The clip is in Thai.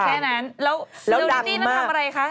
แค่นั้นแล้วนิตี้น่าทำอะไรคะ